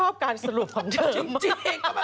จริงก็มันบอกฉัน